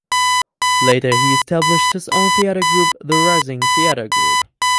Later he established his own theatre group "The Rising Theatre Group".